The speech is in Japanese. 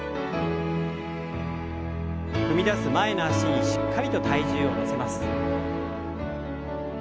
踏み出す前の脚にしっかりと体重を乗せます。